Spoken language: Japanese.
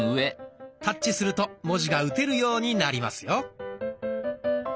タッチすると文字が打てるようになりますよ。